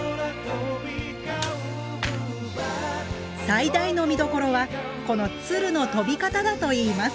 最大の見どころはこの鶴の飛び方だといいます。